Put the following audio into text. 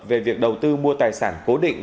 về việc đầu tư mua tài sản cố định